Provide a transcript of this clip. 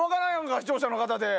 視聴者の方で。